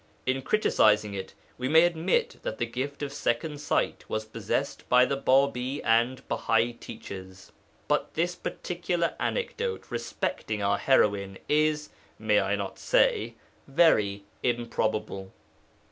In criticizing it, we may admit that the gift of second sight was possessed by the Bābī and Bahai leaders. But this particular anecdote respecting our heroine is (may I not say?) very improbable.